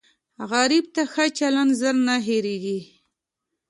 غریب ته ښه چلند زر نه هېریږي